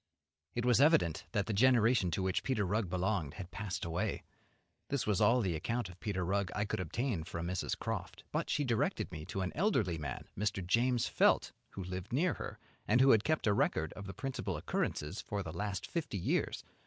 It was evident that the generation to which Peter Rugg belonged had passed away. This was all the account of Peter Rugg I could obtain from Mrs. Croft; but she directed me to an elderly man, Mr. James Felt, who lived near her, and who had kept a record of the principal occurrences for the last fifty years.